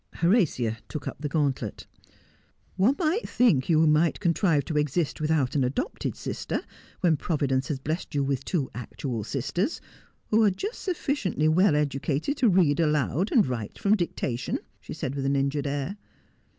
Horatia took up the gauntlet. 'One might think you might contrive to exist without an adopted sister, when Providence has blest you with two actual sisters, who are just sufficiently well educated to read aloud and write from dictation,' she said with an injured air.